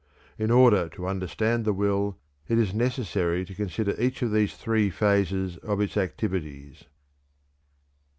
In order to understand the will, it is necessary to consider each of these three phases of its activities.